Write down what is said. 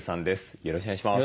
よろしくお願いします。